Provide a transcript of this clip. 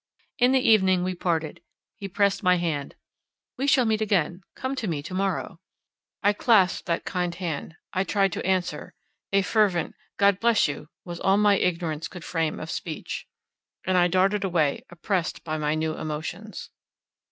In the evening we parted; he pressed my hand: "We shall meet again; come to me to morrow." I clasped that kind hand; I tried to answer; a fervent "God bless you!" was all my ignorance could frame of speech, and I darted away, oppressed by my new emotions.